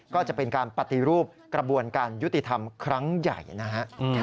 ก็จะเป็นการปฏิรูปกระบวนการยุติธรรมครั้งใหญ่นะฮะ